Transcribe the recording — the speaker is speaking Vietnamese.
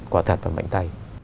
quả thật và mạnh tay